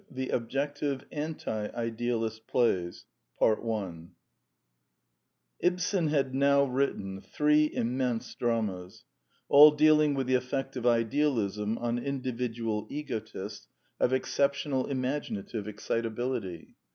THE OBJECTIVE ANTI IDEALIST PLAYS Ibsen had now written three immense dramas, all dealing with the effect of idealism on individual egotists of exceptional imaginative excitability.